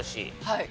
はい。